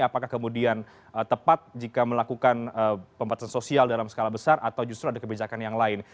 apakah kemudian tepat jika melakukan pembatasan sosial dalam skala besar atau justru ada kebijakan yang lain